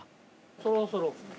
そろそろ。